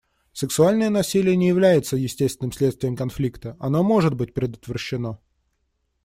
Сексуальное насилие не является естественным следствием конфликта, оно может быть предотвращено.